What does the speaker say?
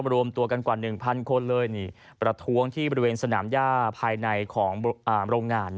รวมตัวกันกว่า๑๐๐คนเลยประท้วงที่บริเวณสนามย่าภายในของโรงงาน